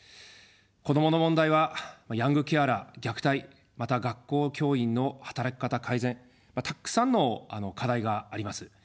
子どもの問題はヤングケアラー、虐待、また、学校教員の働き方改善、たくさんの課題があります。